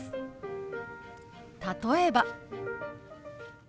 例えば。